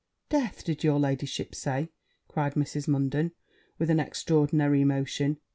'Death! did your ladyship say?' cried Mrs. Munden, with an extraordinary emotion.